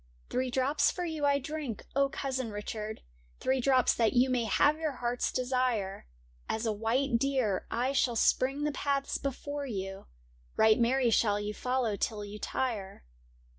' Three drops for you I drink, O Cousin Richard ! Three drops that you may have your heart's desire ; As a white deer I shall spring the paths before you, Right merry shall you follow till you tire.'